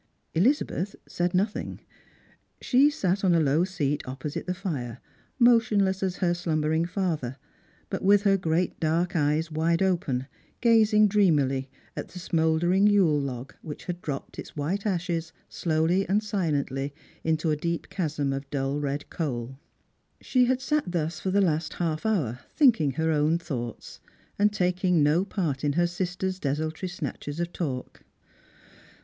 Elizabeth said nothing. She sat on a low seat opposite the fire, motionless as her slumbering father, but with her great dark eyes wide open, gazing dreamily at the smouldering yule log which dropped its white ashes slowly and silently into a deep chasm of dull red coal. She had sat thus for the last half hour thinking her own thoughts, and taking no part in her sisters' desultory snatches of talk.